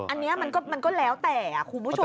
อันนี้มันก็แล้วแต่คุณผู้ชม